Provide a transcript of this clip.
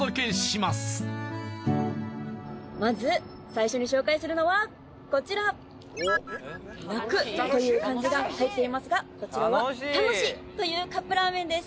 まず最初に紹介するのはこちら「楽」という漢字が入っていますがこちらはＴＡＮＯＳＨＩというカップラーメンです